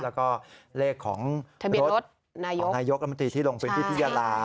แล้วก็เลขของรถของนายกที่ลงไปที่พิเยลา